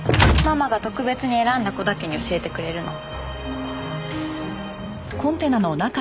ママが特別に選んだ子だけに教えてくれるの。